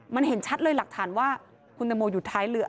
มันเห็นชัดเลยหลักฐานว่าคุณตังโมอยู่ท้ายเรือ